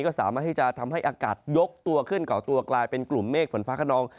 ก็สามารถที่จะทำให้อากาศยกตัวขึ้นก่อตัวกลายเป็นกลุ่มเมฆฝนฟ้าขนอง